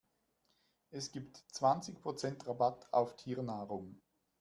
Es gibt zwanzig Prozent Rabatt auf Tiernahrung.